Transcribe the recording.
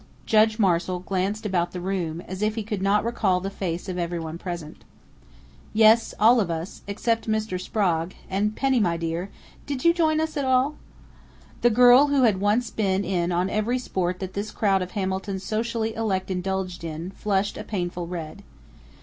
Judge Marshall glanced about the room, as if he could not recall the face of everyone present. "Yes, all of us except Mr. Sprague and Penny, my dear, did you join us at all?" The girl who had once been in on every sport that this crowd of Hamilton's socially elect indulged in, flushed a painful red.